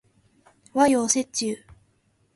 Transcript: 和洋折衷